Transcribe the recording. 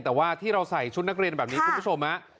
แต่ว่าที่เราใส่ชุดนักเรียนแบบนี้คุณผู้ชม